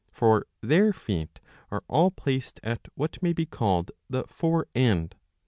For their feet are all placed at what may be called the fore end.